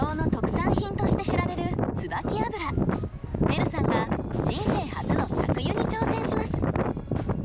ねるさんが人生初の搾油に挑戦します。